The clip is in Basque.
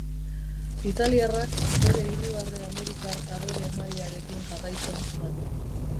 Italiarrak bere irribarre amerikar adore-emailearekin jarraitzen zuen.